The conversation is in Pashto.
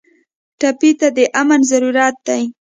ټپي ته د امن ضرورت دی.